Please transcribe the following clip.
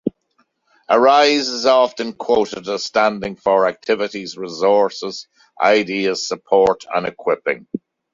Arise is often quoted as standing for: Activities, Resources, Ideas, Support and Equipping.